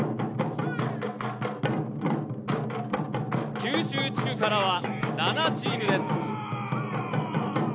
九州地区からは７チームです。